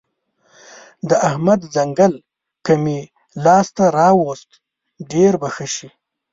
د احمد ځنګل که مې لاس ته راوست؛ ډېر به ښه شي.